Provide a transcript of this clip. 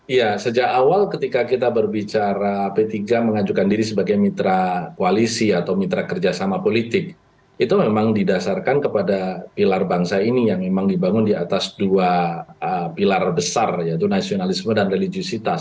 iya sejak awal ketika kita berbicara p tiga mengajukan diri sebagai mitra koalisi atau mitra kerjasama politik itu memang didasarkan kepada pilar bangsa ini yang memang dibangun di atas dua pilar besar yaitu nasionalisme dan religiositas